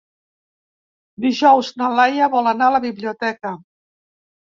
Dijous na Laia vol anar a la biblioteca.